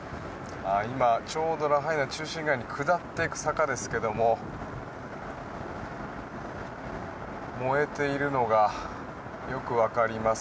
今、ラハイナ中心街に下っていく坂ですけれども燃えているのがよく分かります。